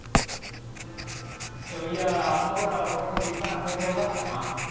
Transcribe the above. そういやあのころは俺も立派な不良だったな。